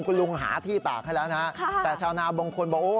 คุณลุงหาที่ตากให้แล้วนะฮะแต่ชาวนาบางคนบอกโอ้